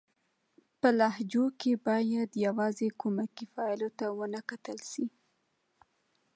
په لهجو کښي بايد يوازي کومکي فعلو ته و نه کتل سي.